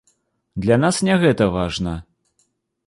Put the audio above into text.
Для нас не гэта важна.